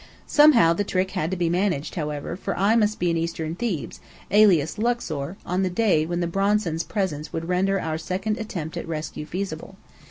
Somehow the trick had to be managed, however; for I must be in eastern Thebes, alias Luxor, on the day when the Bronsons' presence would render our second attempt at rescue feasible.